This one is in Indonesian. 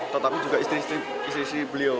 tetapi juga istri istri beliau